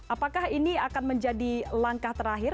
apakah ini akan menjadi langkah terakhir